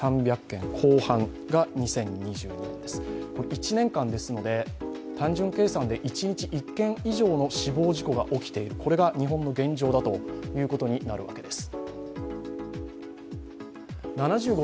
１年間ですので、単純計算で一日１件以上の死亡事故が起きている、これが日本の現状だということになります。